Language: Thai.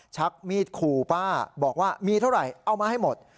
ชักมีดขู่ป้าบอกว่ามีเท่าไหร่เอามาให้หมด